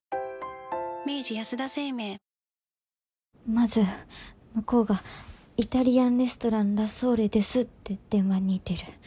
まず向こうが「イタリアンレストランラ・ソーレです」って電話に出る。